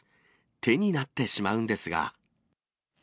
手になってしまうんですが。